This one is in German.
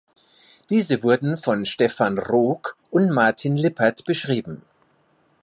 Diese wurden von Stefan Roock und Martin Lippert beschrieben.